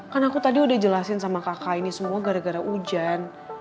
kan aku tadi udah jelasin sama kakak ini semua gara gara hujan